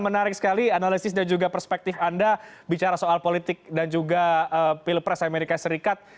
menarik sekali analisis dan juga perspektif anda bicara soal politik dan juga pilpres amerika serikat